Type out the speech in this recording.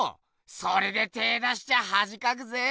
それで手ぇ出しちゃはじかくぜ。